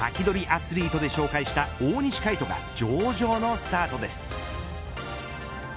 アツリートで紹介した大西魁斗が上々のスタートです。